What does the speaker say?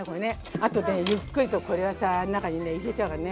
あとでゆっくりとこれはさ中にね入れちゃうからね。